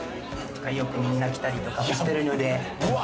よくみんな来たりとかしてるのでうわ